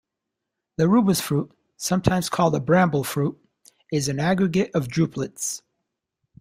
The "Rubus" fruit, sometimes called a bramble fruit, is an aggregate of drupelets.